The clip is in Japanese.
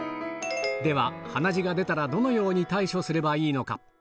では、鼻血が出たらどのように対処すればいいのか。